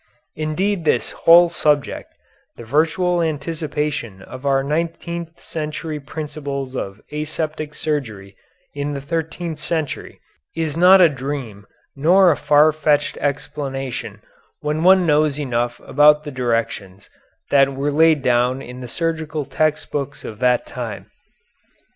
Indeed this whole subject, the virtual anticipation of our nineteenth century principles of aseptic surgery in the thirteenth century, is not a dream nor a far fetched explanation when one knows enough about the directions that were laid down in the surgical text books of that time.